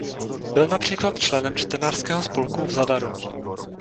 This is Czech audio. Byl například členem čtenářského spolku v Zadaru.